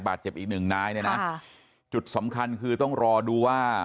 บาดเจ็บอีกหนึ่งนายแล้วนะค่ะจุดสำคัญคือต้องรอดูว่า